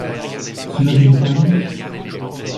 Cela vous étonne ?